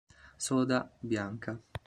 Soda, bianca.